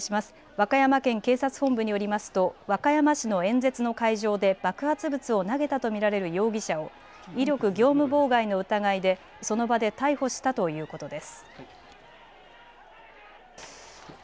和歌山県警察本部によりますと和歌山市の演説の会場で爆発物を投げたと見られる容疑者を威力業務妨害の疑いでその場で逮捕したということです。